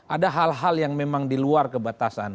ada hal hal yang memang di luar kebatasan